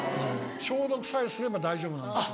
消毒さえすれば大丈夫なんです。